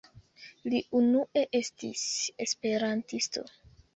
Li unue estis Esperantisto.